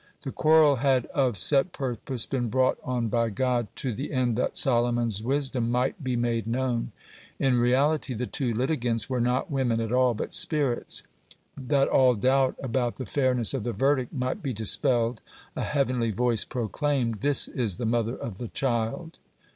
The quarrel had of set purpose been brought on by God to the end that Solomon's wisdom might be made known. In reality the two litigants were not women at all, but spirits. That all doubt about the fairness of the verdict might be dispelled, a heavenly voice proclaimed: "This is the mother of the child."